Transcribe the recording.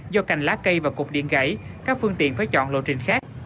do cành lá cây và cục điện gãy các phương tiện phải chọn lộ trình khác